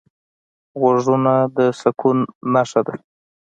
غوږونه د سکون نښه ده